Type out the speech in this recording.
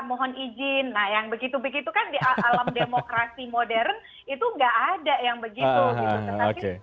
nah yang begitu begitu kan di alam demokrasi modern itu nggak ada yang begitu